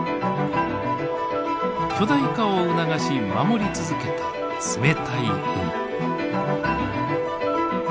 巨大化を促し守り続けた冷たい海。